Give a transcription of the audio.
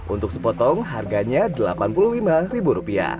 untuk sepotong harganya rp delapan puluh lima